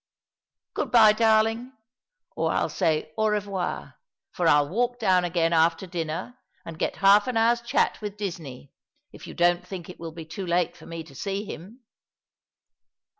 Good bye, darling — or I'll say cm revoir, for I'll walk down again after dinner, and get half an hour's chat with Disney, if you don't think it will be too late for me to see him."